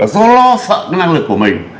do lo sợ năng lực của mình